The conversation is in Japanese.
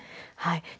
はい。